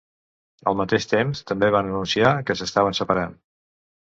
Al mateix temps, també van anunciar que s'estaven separant.